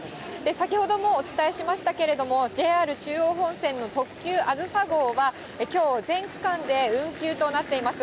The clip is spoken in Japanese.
先ほどもお伝えしましたけれども、ＪＲ中央本線の特急あずさ号は、きょう、全区間で運休となっています。